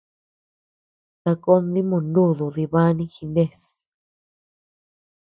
Sakón dimoo nudu dibani jinés.